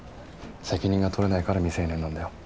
責任が取れないから未成年なんだよ。